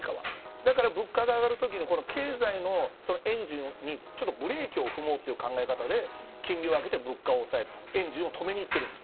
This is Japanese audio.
だから、物価が上がるときに経済のエンジンにブレーキ踏もうという考え方で金利を上げて物価を抑えようとエンジンを止めにいってるんです。